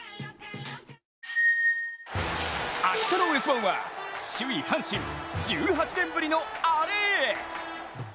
明日の「Ｓ☆１」は首位・阪神、１８年ぶりのアレへ！